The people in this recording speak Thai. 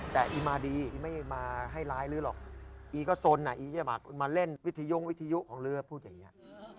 แต่อีมาดีอีไม่มาให้ร้ายเรือหรอกอีก็สนอีก็มาเล่นวิทยุของเรือพวกเด็กนี้